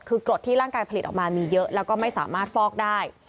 คือกรดที่ร่างกายผลิตออกมามีเยอะแล้วก็ไม่สามารถฟอกได้